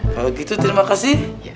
kalau gitu terima kasih